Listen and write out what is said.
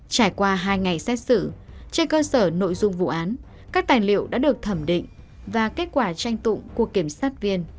trải qua hai ngày xét xử trên cơ sở nội dung vụ án các tài liệu đã được thẩm định và kết quả tranh tụng của kiểm sát viên